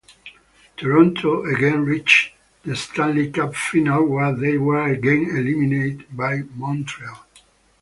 Toronto again reached the Stanley Cup Final where they were again eliminated by Montreal.